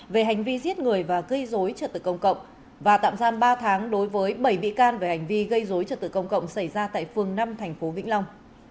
về hành vi giết người và gây dối trật tự công cộng và tạm giam ba tháng đối với bảy bị can về hành vi gây dối trật tự công cộng xảy ra tại phường năm tp vĩnh long